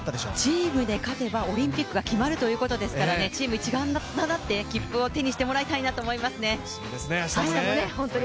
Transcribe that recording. チームで勝てばオリンピックが決まるということですから、チーム一丸となって切符を手にしてもらいたいなと思いますね。